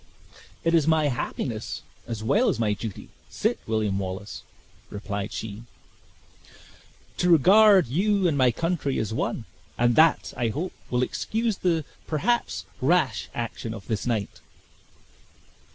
"It is my happiness, as well as my duty, Sit William Wallace," replied she, "to regard you and my country as one; and that, I hope, will excuse the, perhaps, rash action of this night."